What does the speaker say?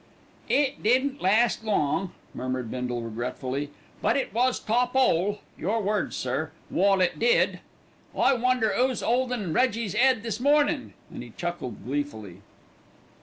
"It didn't last long," murmured Bindle regretfully, "but it was top 'ole (your words, sir) while it did. I wonder 'oo's 'oldin' Reggie's 'ead this mornin'?" and he chuckled gleefully.